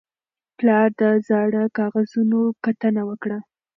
پلار د زاړه کاغذونو کتنه وکړه